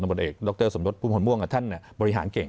ต้นขออนุญาตสามวัลท่านผลบริหารเก่ง